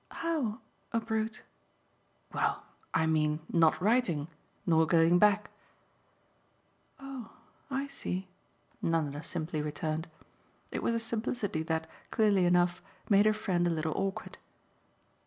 "How a brute?" "Well, I mean not writing nor going back." "Oh I see," Nanda simply returned. It was a simplicity that, clearly enough, made her friend a little awkward.